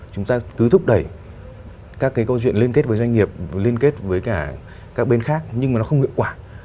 chúng ta cứ thúc đẩy các cái câu chuyện liên kết với doanh nghiệp liên kết với cả các bên khác nhưng mà nó không hiệu quả